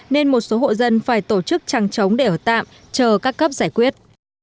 nên một số hộ dân phải tổ chức trăng trống để ở tạm chờ các cấp giải quyết